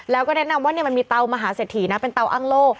แล้วก็แนะนำว่ามันมีเตามหาเศรษฐีนะเป็นเตาอ้างโล่